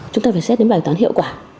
chúng ta phải xét đến bài toán hiệu quả